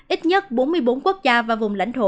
ít nhất bốn mươi bốn quốc gia và vùng lãnh thổ